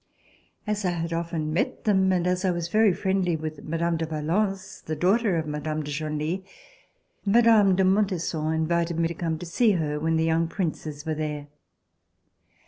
As I had often met them, and as I was very friendly with Mme. de Valence, the daughter of Mme. de Genlis, Mme. de Montesson invited me to come to see her when the young Princes were there.